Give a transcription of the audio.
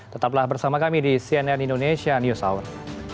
tetaplah bersama kami di cnn indonesia news hour